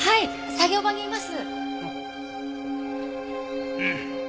作業場にいます。